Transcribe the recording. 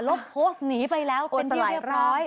โพสต์หนีไปแล้วเป็นที่เรียบร้อย